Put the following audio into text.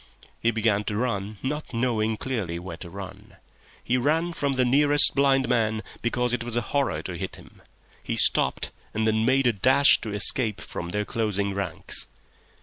He began to run—not knowing clearly where to run. He ran from the nearest blind man, because it was a horror to hit him. He stopped, and then made a dash to escape from their closing ranks.